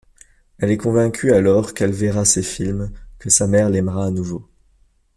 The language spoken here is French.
Elle est convaincue, alors qu’elle verra ses films, que sa mère l’aimera à nouveau.